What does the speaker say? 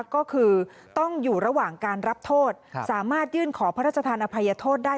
ก็คือต้องอยู่ระหว่างการรับโทษสามารถยื่นขอพระราชทานอภัยโทษได้